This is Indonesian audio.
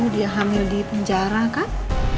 dia hamil di penjara kan